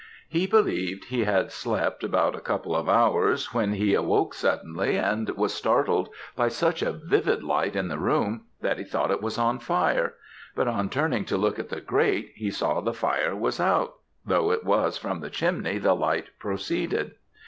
"He believed he had slept about a couple of hours when he awoke suddenly, and was startled by such a vivid light in the room, that he thought it was on fire, but on turning to look at the grate he saw the fire was out, though it was from the chimney the light proceeded.